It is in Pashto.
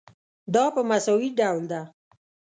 دا په مساوي ډول ده.